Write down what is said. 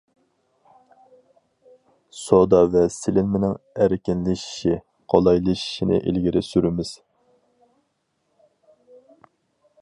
سودا ۋە سېلىنمىنىڭ ئەركىنلىشىشى، قولايلىشىشىنى ئىلگىرى سۈرىمىز.